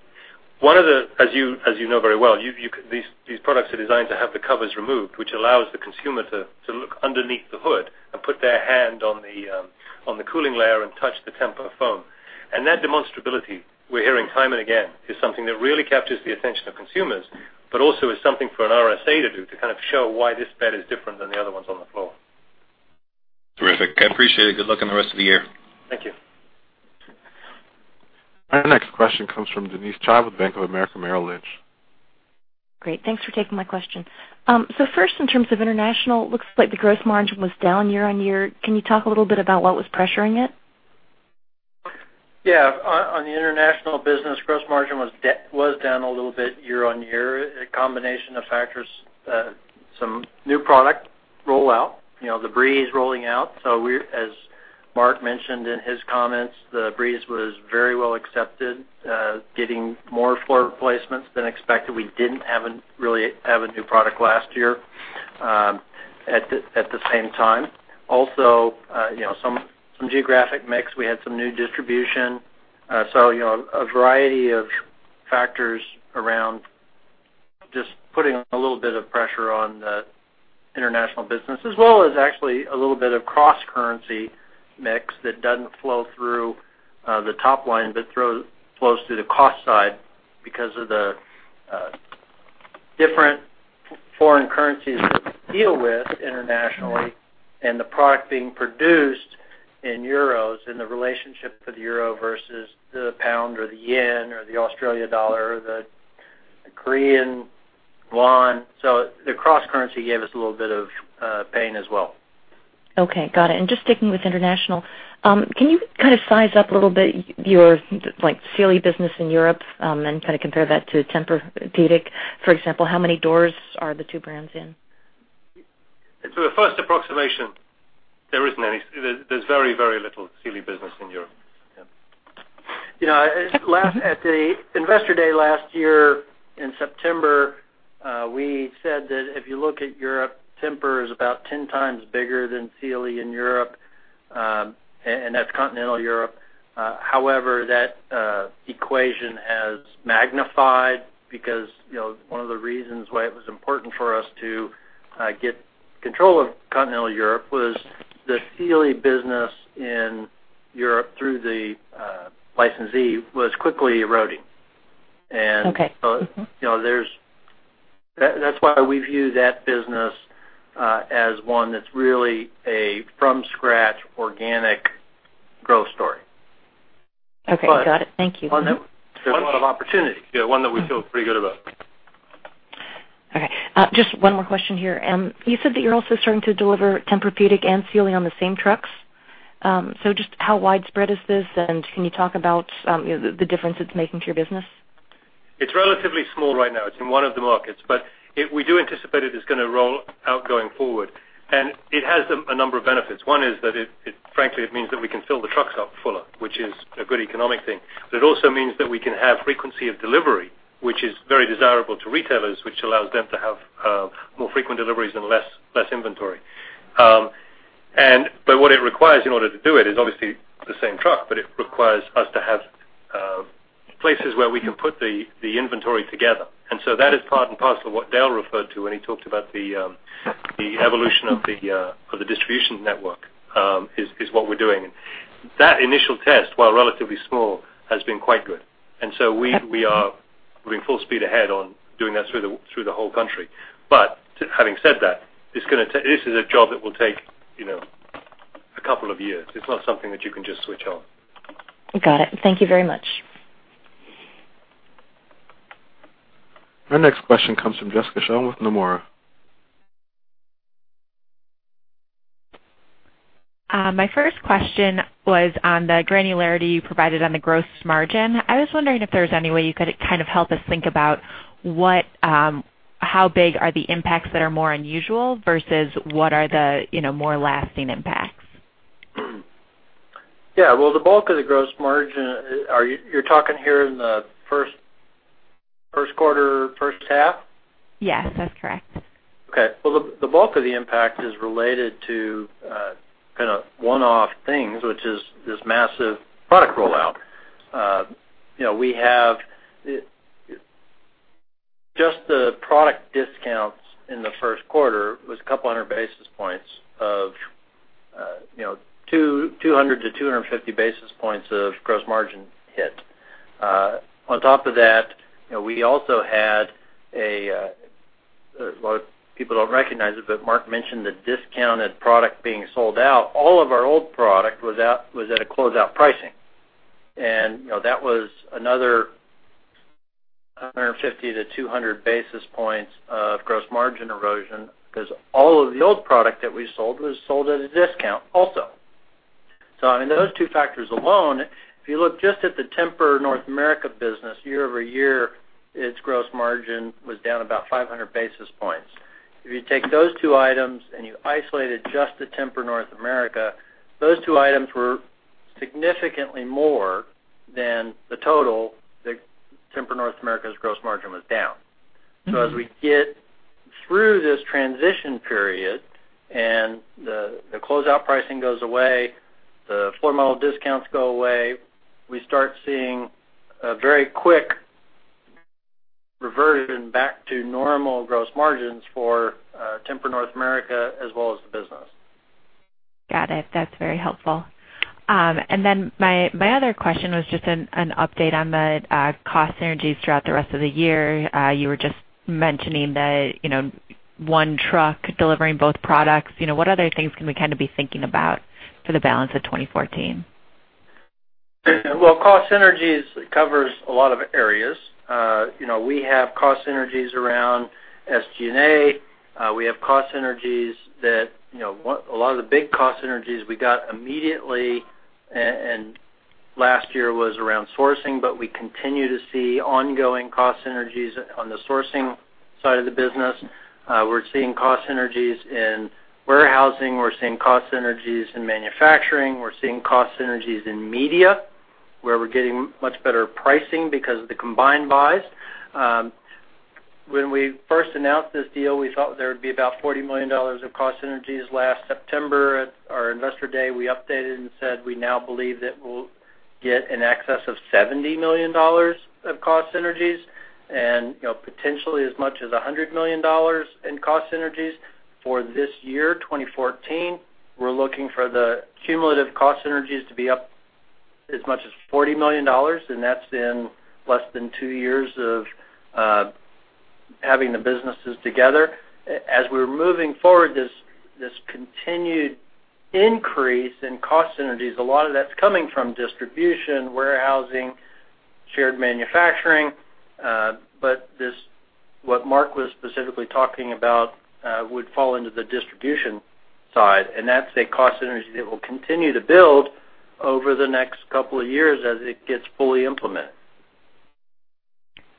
As you know very well, these products are designed to have the covers removed, which allows the consumer to look underneath the hood and put their hand on the cooling layer and touch the Tempur foam. That demonstrability, we're hearing time and again, is something that really captures the attention of consumers, but also is something for an RSA to do to kind of show why this bed is different than the other ones on the floor. Terrific. I appreciate it. Good luck on the rest of the year. Thank you. Our next question comes from Denise Chai with Bank of America Merrill Lynch. Great. Thanks for taking my question. First, in terms of international, looks like the gross margin was down year-on-year. Can you talk a little bit about what was pressuring it? Yeah. On the international business, gross margin was down a little bit year-on-year. A combination of factors, some new product rollout, the TEMPUR-Breeze rolling out. As Mark mentioned in his comments, the TEMPUR-Breeze was very well accepted, getting more floor replacements than expected. We didn't really have a new product last year at the same time. Also, some geographic mix. We had some new distribution. A variety of factors around just putting a little bit of pressure on the international business as well as actually a little bit of cross-currency mix that doesn't flow through the top line, but flows through the cost side because of the different foreign currencies we deal with internationally and the product being produced in euros and the relationship to the euro versus the pound or the yen or the Australian dollar or the Korean won. The cross currency gave us a little bit of pain as well. Okay. Got it. Just sticking with international, can you kind of size up a little bit your Sealy business in Europe and kind of compare that to Tempur-Pedic, for example, how many doors are the two brands in? The first approximation, there isn't any. There's very, very little Sealy business in Europe. Yeah. At the Investor Day last year in September, we said that if you look at Europe, Tempur is about 10 times bigger than Sealy in Europe, and that's continental Europe. However, that equation has magnified because one of the reasons why it was important for us to get control of continental Europe was the Sealy business in Europe through the licensee was quickly eroding. Okay. Mm-hmm. That's why we view that business as one that's really a from-scratch organic growth story. Okay. Got it. Thank you. There's a lot of opportunity. One that we feel pretty good about. Okay. Just one more question here. You said that you're also starting to deliver Tempur-Pedic and Sealy on the same trucks. Just how widespread is this, and can you talk about the difference it's making to your business? It's relatively small right now. It's in one of the markets. We do anticipate it is going to roll out going forward, and it has a number of benefits. One is that frankly, it means that we can fill the trucks up fuller, which is a good economic thing. It also means that we can have frequency of delivery, which is very desirable to retailers, which allows them to have more frequent deliveries and less inventory. What it requires in order to do it is obviously the same truck, but it requires us to have places where we can put the inventory together. That is part and parcel of what Dale referred to when he talked about the evolution of the distribution network, is what we're doing. That initial test, while relatively small, has been quite good. We are moving full speed ahead on doing that through the whole country. Having said that, this is a job that will take a couple of years. It's not something that you can just switch on. Got it. Thank you very much. Our next question comes from Jessica Sheng with Nomura. My first question was on the granularity you provided on the gross margin. I was wondering if there's any way you could kind of help us think about how big are the impacts that are more unusual versus what are the more lasting impacts. Yeah. Well, the bulk of the gross margin, you're talking here in the first quarter, first half? Yes, that's correct. Okay. Well, the bulk of the impact is related to kind of one-off things, which is this massive product rollout. Just the product discounts in the first quarter was 200 to 250 basis points of gross margin hit. On top of that, we also had well, people don't recognize it, but Mark mentioned the discounted product being sold out. All of our old product was at a closeout pricing. That was another 150 to 200 basis points of gross margin erosion because all of the old product that we sold was sold at a discount also. I mean, those two factors alone, if you look just at the Tempur North America business year-over-year, its gross margin was down about 500 basis points. If you take those two items and you isolated just the Tempur North America, those two items were significantly more than the total that Tempur North America's gross margin was down. As we get through this transition period and the closeout pricing goes away, the floor model discounts go away, we start seeing a very quick reversion back to normal gross margins for Tempur North America as well as the business. Got it. That's very helpful. Then my other question was just an update on the cost synergies throughout the rest of the year. You were just mentioning the one truck delivering both products. What other things can we kind of be thinking about for the balance of 2014? Well, cost synergies covers a lot of areas. We have cost synergies around SG&A. A lot of the big cost synergies we got immediately and last year was around sourcing, but we continue to see ongoing cost synergies on the sourcing side of the business. We're seeing cost synergies in warehousing. We're seeing cost synergies in manufacturing. We're seeing cost synergies in media, where we're getting much better pricing because of the combined buys. When we first announced this deal, we thought there would be about $40 million of cost synergies last September. At our investor day, we updated and said we now believe that we'll get in excess of $70 million of cost synergies and potentially as much as $100 million in cost synergies for this year, 2014. We're looking for the cumulative cost synergies to be up as much as $40 million. That's in less than two years of having the businesses together. As we're moving forward, this continued increase in cost synergies, a lot of that's coming from distribution, warehousing, shared manufacturing. What Mark was specifically talking about would fall into the distribution side, and that's a cost synergy that will continue to build over the next couple of years as it gets fully implemented.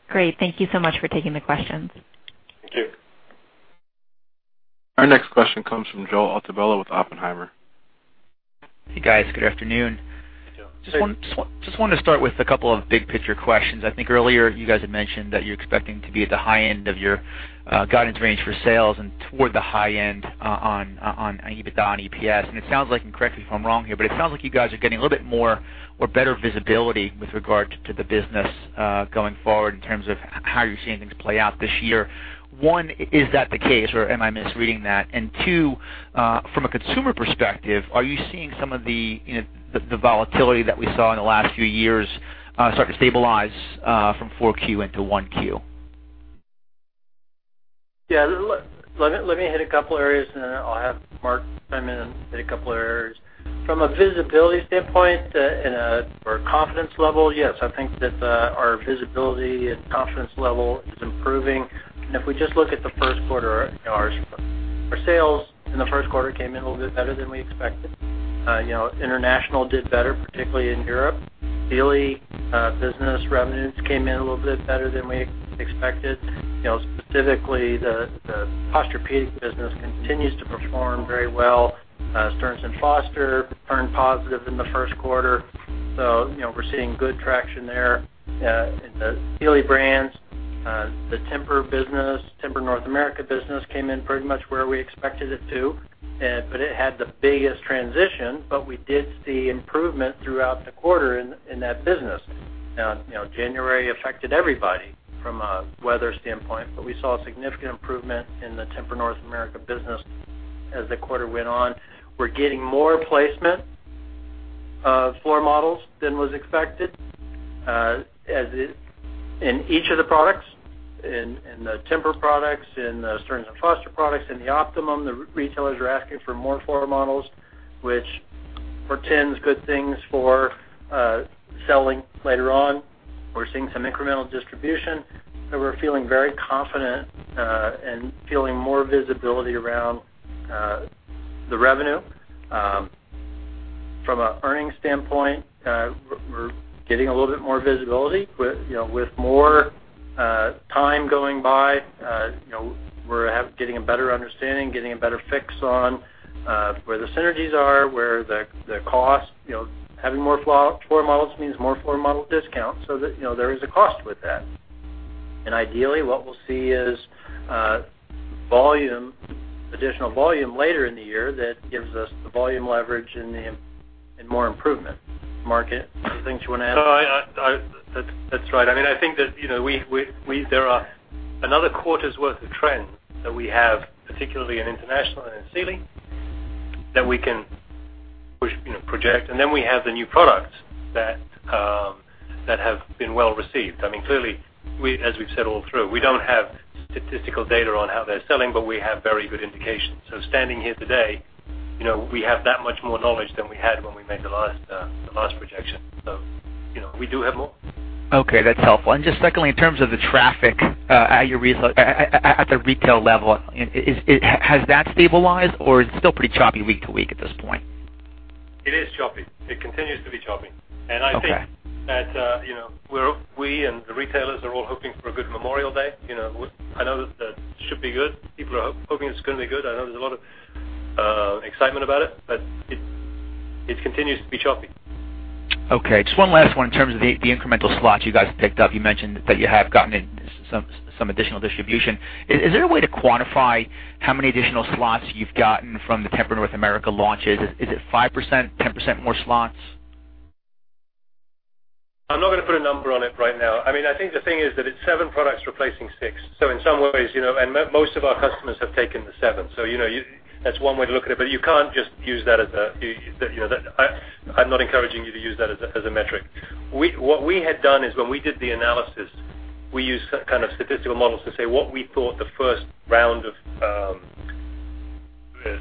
Great. Thank you so much for taking the questions. Thank you. Our next question comes from Joel Altobello with Oppenheimer. Hey, guys. Good afternoon. Hey, Joel. Just wanted to start with a couple of big-picture questions. I think earlier you guys had mentioned that you're expecting to be at the high end of your guidance range for sales and toward the high end on EBITDA and EPS. Correct me if I'm wrong here, it sounds like you guys are getting a little bit more or better visibility with regard to the business, going forward in terms of how you're seeing things play out this year. One, is that the case, or am I misreading that? Two, from a consumer perspective, are you seeing some of the volatility that we saw in the last few years start to stabilize from 4Q into 1Q? Yeah. Let me hit a couple areas, then I'll have Mark chime in and hit a couple areas. From a visibility standpoint or confidence level, yes, I think that our visibility and confidence level is improving. If we just look at the first quarter, our sales in the first quarter came in a little bit better than we expected. International did better, particularly in Europe. Sealy business revenues came in a little bit better than we expected. Specifically, the Posturepedic business continues to perform very well. Stearns & Foster turned positive in the first quarter. We're seeing good traction there. In the Sealy brands, the Tempur North America business came in pretty much where we expected it to. It had the biggest transition, we did see improvement throughout the quarter in that business. January affected everybody from a weather standpoint, but we saw a significant improvement in the Tempur North America business as the quarter went on. We're getting more placement of floor models than was expected in each of the products. In the Tempur products, in the Stearns & Foster products, in the Optimum, the retailers are asking for more floor models, which portends good things for selling later on. We're seeing some incremental distribution, so we're feeling very confident and feeling more visibility around the revenue. From an earnings standpoint, we're getting a little bit more visibility. With more time going by, we're getting a better understanding, getting a better fix on where the synergies are, where the cost. Having more floor models means more floor model discounts, so that there is a cost with that. Ideally, what we'll see is additional volume later in the year that gives us the volume leverage and more improvement. Mark, other things you want to add? No, that's right. I think that there are another quarter's worth of trends that we have, particularly in international and in Sealy, that we can project, and then we have the new products that have been well-received. Clearly, as we've said all through, we don't have statistical data on how they're selling, but we have very good indications. Standing here today, we have that much more knowledge than we had when we made the last projection. We do have more. Okay, that's helpful. Just secondly, in terms of the traffic at the retail level, has that stabilized or it's still pretty choppy week to week at this point? It is choppy. It continues to be choppy. Okay. I think that we and the retailers are all hoping for a good Memorial Day. I know that that should be good. People are hoping it's going to be good. I know there's a lot of excitement about it, but it continues to be choppy. Okay. Just one last one in terms of the incremental slots you guys picked up. You mentioned that you have gotten some additional distribution. Is there a way to quantify how many additional slots you've gotten from the Tempur North America launches? Is it 5%, 10% more slots? I'm not going to put a number on it right now. I think the thing is that it's seven products replacing six. In some ways, and most of our customers have taken the seven. That's one way to look at it, but you can't just use that. I'm not encouraging you to use that as a metric. What we had done is when we did the analysis, we used statistical models to say what we thought the first round of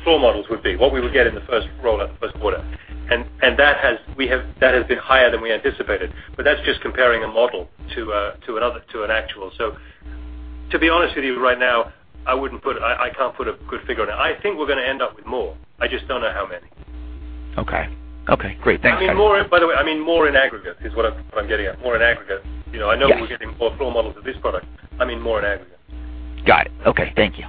floor models would be, what we would get in the first rollout, the first quarter. That has been higher than we anticipated, but that's just comparing a model to an actual. To be honest with you, right now, I can't put a good figure on it. I think we're going to end up with more. I just don't know how many. Okay. Great. Thanks. By the way, more in aggregate is what I'm getting at, more in aggregate. Yes. I know we're getting more floor models of this product. I mean more in aggregate. Got it. Okay. Thank you.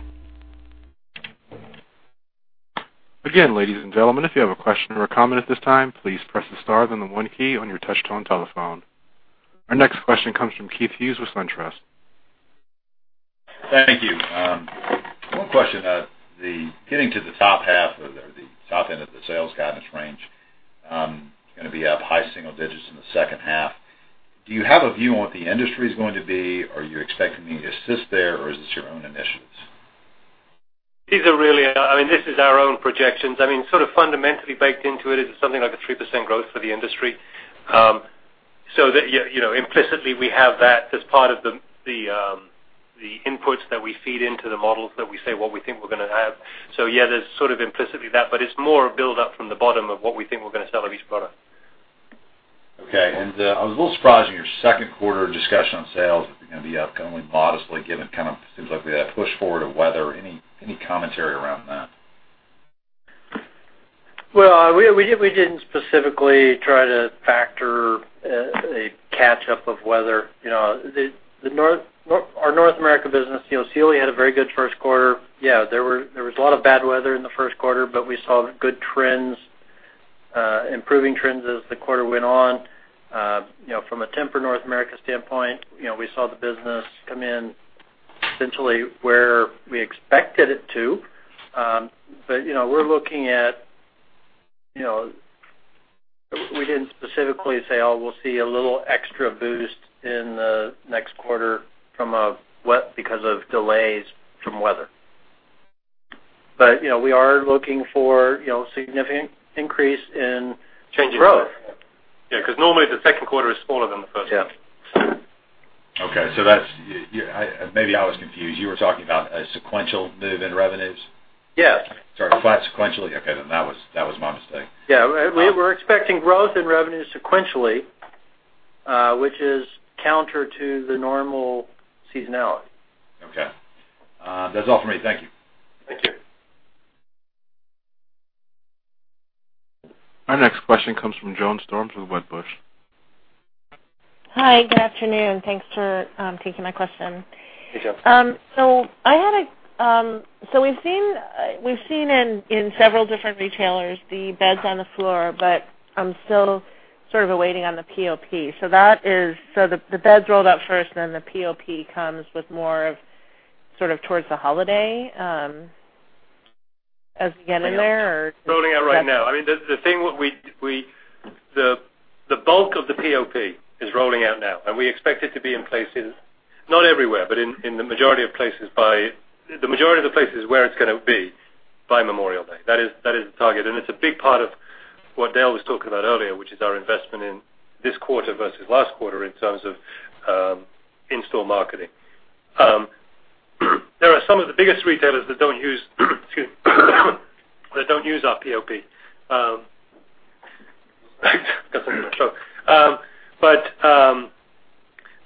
Again, ladies and gentlemen, if you have a question or a comment at this time, please press the star then the one key on your touch-tone telephone. Our next question comes from Keith Hughes with SunTrust. Thank you. One question. Getting to the top half of, or the top end of the sales guidance range, it's going to be up high single digits in the second half. Do you have a view on what the industry is going to be? Are you expecting any assist there, or is this your own initiatives? These are really our own projections. Sort of fundamentally baked into it is something like a 3% growth for the industry. Implicitly, we have that as part of the inputs that we feed into the models that we say what we think we're going to have. Yeah, there's sort of implicitly that, but it's more a build-up from the bottom of what we think we're going to sell of each product. Okay. I was a little surprised in your second quarter discussion on sales that you're going to be up only modestly given kind of, seems like we had a push forward of weather. Any commentary around that? Well, we didn't specifically try to factor a catch-up of weather. Our North America business, Sealy had a very good first quarter. There was a lot of bad weather in the first quarter, but we saw good trends, improving trends as the quarter went on. From a Tempur North America standpoint, we saw the business come in essentially where we expected it to. We didn't specifically say, "Oh, we'll see a little extra boost in the next quarter because of delays from weather." We are looking for significant increase in growth. Changing growth. Normally the second quarter is smaller than the first quarter. Maybe I was confused. You were talking about a sequential move in revenues? Yes. Sorry, sequentially. That was my mistake. Yeah. We're expecting growth in revenues sequentially, which is counter to the normal seasonality. Okay. That's all for me. Thank you. Thank you. Our next question comes from Joan Storms with Wedbush. Hi. Good afternoon. Thanks for taking my question. Hey, Joan. We've seen in several different retailers the beds on the floor, but I'm still sort of waiting on the POP. The beds rolled out first, then the POP comes with more of, sort of towards the holiday as we get in there? Or is that? It's rolling out right now. The bulk of the POP is rolling out now. We expect it to be in places, not everywhere, but in the majority of the places where it's going to be by Memorial Day. That is the target. It's a big part of what Dale was talking about earlier, which is our investment in this quarter versus last quarter in terms of in-store marketing. That don't use our POP. That doesn't even show.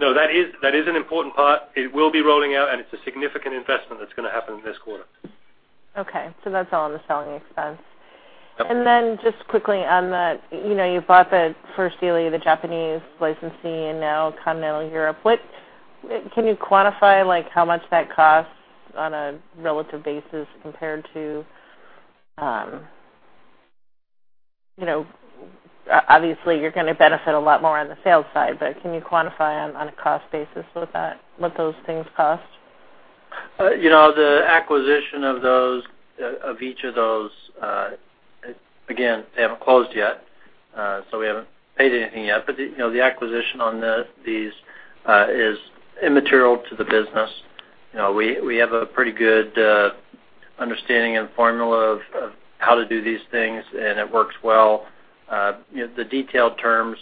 No, that is an important part. It will be rolling out, and it's a significant investment that's going to happen this quarter. Okay. That's all in the selling expense. Yep. Just quickly on that, you bought the first deal with the Japanese licensee and now Continental Europe. Can you quantify how much that costs on a relative basis compared to Obviously, you're going to benefit a lot more on the sales side, but can you quantify on a cost basis what those things cost? The acquisition of each of those, again, they haven't closed yet, so we haven't paid anything yet. The acquisition on these is immaterial to the business. We have a pretty good understanding and formula of how to do these things, and it works well. The detailed terms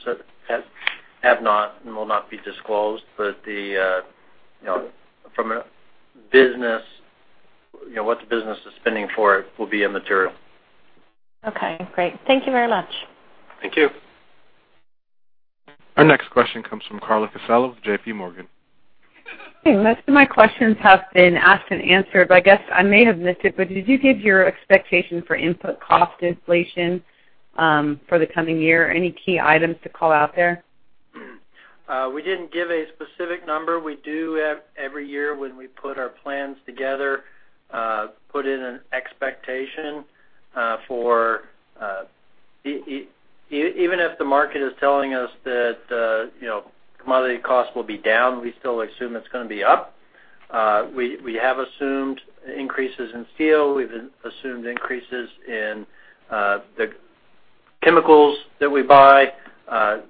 have not and will not be disclosed, but from a business, what the business is spending for it will be immaterial. Okay, great. Thank you very much. Thank you. Our next question comes from Carla Casciola of J.P. Morgan. Hey, most of my questions have been asked and answered, but I guess I may have missed it, but did you give your expectation for input cost inflation for the coming year? Any key items to call out there? We didn't give a specific number. We do every year when we put our plans together, put in an expectation. Even if the market is telling us that commodity costs will be down, we still assume it's going to be up. We have assumed increases in steel. We've assumed increases in the chemicals that we buy.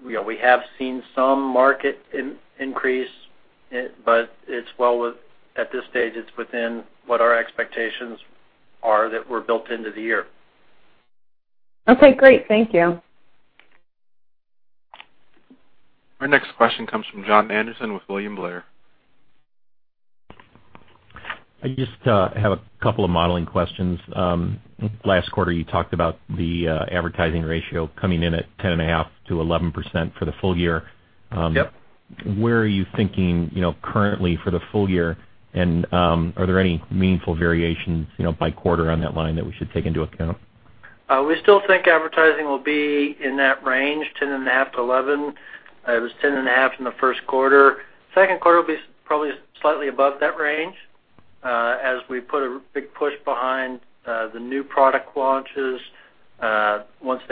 We have seen some market increase, but at this stage, it's within what our expectations are that were built into the year. Okay, great. Thank you. Our next question comes from John Anderson with William Blair. I just have a couple of modeling questions. Last quarter, you talked about the advertising ratio coming in at 10.5%-11% for the full year. Yep. Where are you thinking currently for the full year, are there any meaningful variations by quarter on that line that we should take into account? We still think advertising will be in that range, 10.5%-11%. It was 10.5% in the first quarter. Second quarter will be probably slightly above that range as we put a big push behind the new product launches. You don't want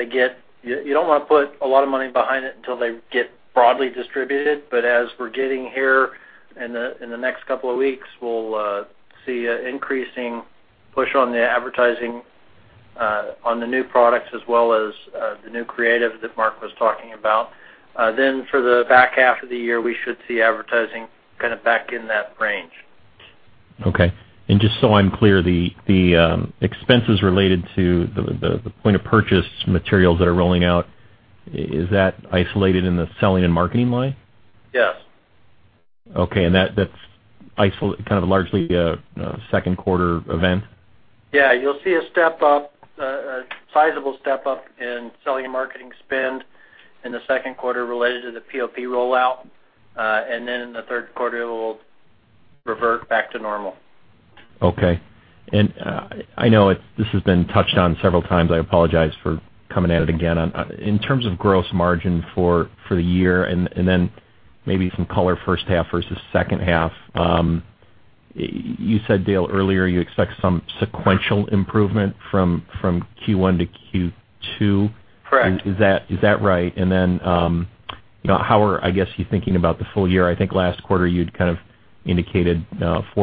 to put a lot of money behind it until they get broadly distributed, but as we're getting here in the next couple of weeks, we'll see an increasing push on the advertising on the new products as well as the new creative that Mark was talking about. For the back half of the year, we should see advertising kind of back in that range. Okay. Just so I'm clear, the expenses related to the point-of-purchase materials that are rolling out, is that isolated in the selling and marketing line? Yes. Okay. That's kind of largely a second quarter event? Yeah, you'll see a step-up, a sizable step-up in selling and marketing spend in the second quarter related to the POP rollout. Then in the third quarter, it will revert back to normal. Okay. I know this has been touched on several times. I apologize for coming at it again. In terms of gross margin for the year then maybe some color first half versus second half. You said, Dale, earlier you expect some sequential improvement from Q1 to Q2. Correct. Is that right? Then, I guess you're thinking about the full year? I think last quarter you'd kind of indicated 41%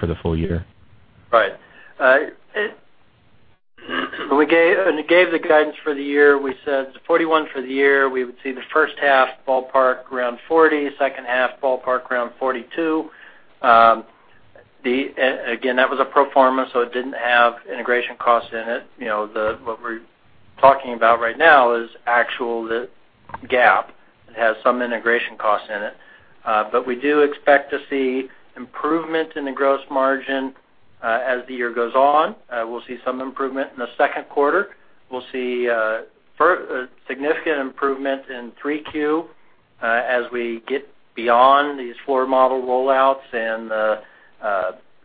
for the full year. Right. When we gave the guidance for the year, we said it's 41% for the year. We would see the first half ballpark around 40%, second half ballpark around 42%. Again, that was a pro forma, it didn't have integration costs in it. What we're talking about right now is actual, the GAAP. It has some integration costs in it. We do expect to see improvement in the gross margin as the year goes on. We'll see some improvement in the second quarter. We'll see a significant improvement in 3Q as we get beyond these floor model rollouts and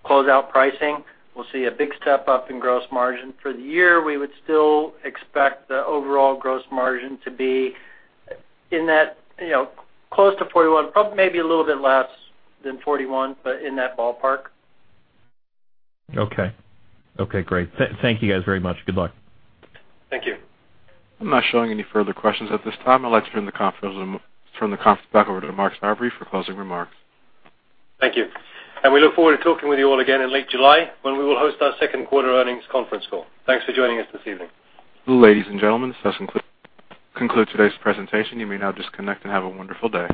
closeout pricing. We'll see a big step-up in gross margin. For the year, we would still expect the overall gross margin to be close to 41%, probably maybe a little bit less than 41%, but in that ballpark. Okay. Okay, great. Thank you guys very much. Good luck. Thank you. I'm not showing any further questions at this time. I'd like to turn the conference back over to Mark Sarvary for closing remarks. Thank you. We look forward to talking with you all again in late July when we will host our second quarter earnings conference call. Thanks for joining us this evening. Ladies and gentlemen, this does conclude today's presentation. You may now disconnect and have a wonderful day.